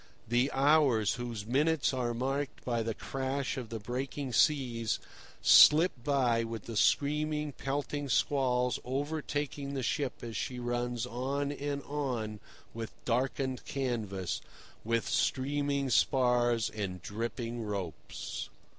The hours, whose minutes are marked by the crash of the breaking seas, slip by with the screaming, pelting squalls overtaking the ship as she runs on and on with darkened canvas, with streaming spars and dripping ropes.